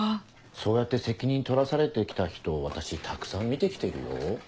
そうやって責任取らされて来た人私たくさん見て来てるよ。